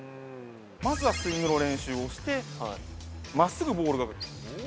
まずはスイングの練習をして真っすぐボールが。